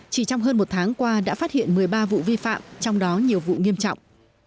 chỉ trong hơn một tháng qua đã phát hiện một mươi ba vụ vi phạm trong đó nhiều vụ nghiêm trọng